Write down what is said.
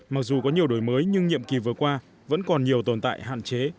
mặc dù có nhiều đổi mới nhưng nhiệm kỳ vừa qua vẫn còn nhiều tồn tại hạn chế